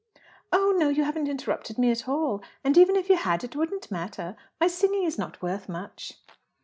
"Oh no; you haven't interrupted me at all. And, even if you had, it wouldn't matter. My singing is not worth much."